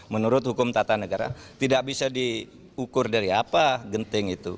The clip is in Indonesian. menurut hukum tata negara tidak bisa diukur dari apa genting itu